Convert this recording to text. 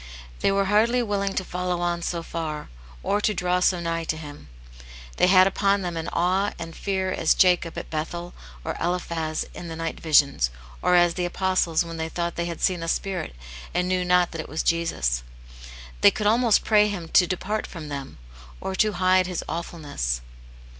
They were hardly willing to follow on so far, or to draw so nigh to Him. They had upon them an awe and fear, as Jacob at Bethel, or Eliphaz in the night visions, or as the Apostles when they thought they had seen a st^kvt^ and knew not that it was ]esus. TVvev con^X^ •^i^.^^sx'^i^x. vi Preface, pray Him to depart from them, or to hide his awful ness.